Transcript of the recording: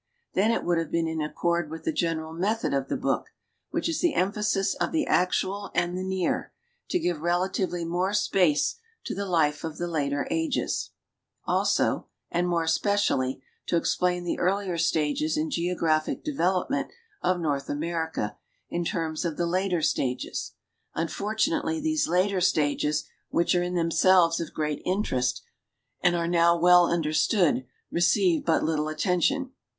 Then it would have been in accord with the general method of the book, whicli is the emphasis of the actual and the near, to give relatively more space to the life of the later ages ; also, and more especially, to explain the earlier stages in geographic development of North America in terms of the later stages. Unfortunately these later stages, which are in themselves of great inter est and are now well understood, receive but little attention.